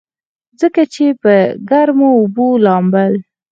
ځکه چې پۀ ګرمو اوبو لامبل